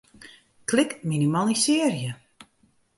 Klik Minimalisearje.